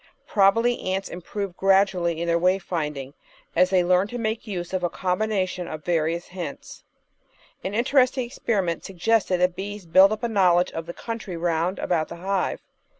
Probably ants improve gradually in their way finding as they learn to make use of a combination of the various hints. An interesting experiment suggested that bees build up a knowledge of the country round about the hive.